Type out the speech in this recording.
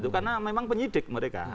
karena memang penyidik mereka